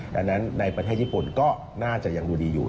ดังนั้นในประเทศญี่ปุ่นก็น่าจะยังดูดีอยู่